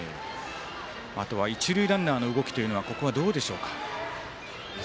あとは一塁ランナーの動きというのはどうでしょうか。